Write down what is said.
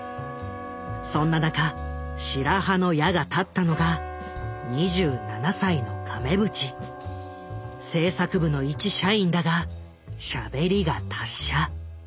そんな中白羽の矢が立ったのが制作部の一社員だがしゃべりが達者。